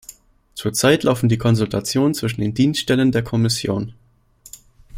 Zurzeit laufen die Konsultationen zwischen den Dienststellen der Kommission.